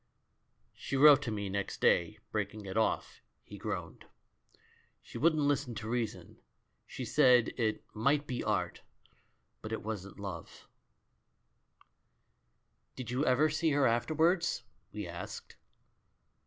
"She WTote to me next day, breaking it off," 64. THE MAN WHO UNDERSTOOD WOMEN he groaned. "She wouldn't hsten to reason; she said it 'might be art, but it wasn't love.' " "Did you ever see her afterwards?" we asked.